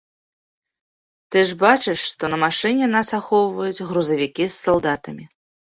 Ты ж бачыш, што на машыне нас ахоўваюць грузавікі з салдатамі.